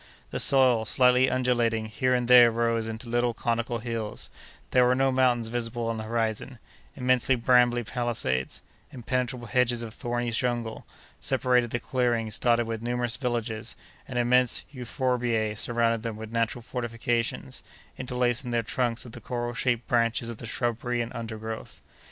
The soil, slightly undulating, here and there rose into little conical hills; there were no mountains visible on the horizon; immense brambly palisades, impenetrable hedges of thorny jungle, separated the clearings dotted with numerous villages, and immense euphorbiae surrounded them with natural fortifications, interlacing their trunks with the coral shaped branches of the shrubbery and undergrowth.